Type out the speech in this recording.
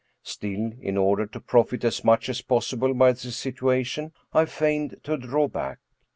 Still, in order to profit as much as possible by the situation, I feigned to draw back.